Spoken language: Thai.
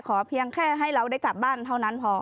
เพียงแค่ให้เราได้กลับบ้านเท่านั้นพอ